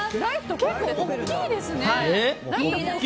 結構大きいですね。